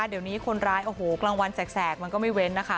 เดี๋ยวนี้คนร้ายโอ้โหกลางวันแสกมันก็ไม่เว้นนะคะ